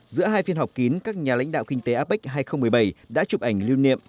giữa hai phiên họp kín các nhà lãnh đạo kinh tế apec hai nghìn một mươi bảy đã chụp ảnh lưu niệm